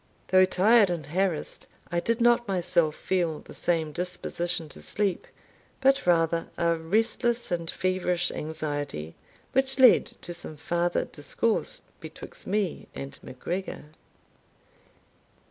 Though tired and harassed, I did not myself feel the same disposition to sleep, but rather a restless and feverish anxiety, which led to some farther discourse betwixt me and MacGregor.